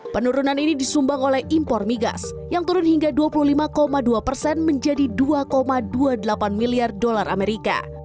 penurunan ini disumbang oleh impor migas yang turun hingga dua puluh lima dua persen menjadi dua dua puluh delapan miliar dolar amerika